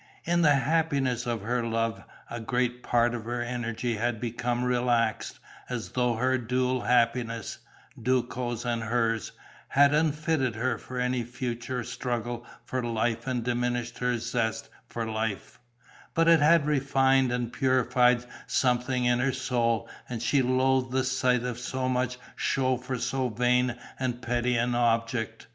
In the happiness of her love, a great part of her energy had become relaxed, as though their dual happiness Duco's and hers had unfitted her for any further struggle for life and diminished her zest for life; but it had refined and purified something in her soul and she loathed the sight of so much show for so vain and petty an object.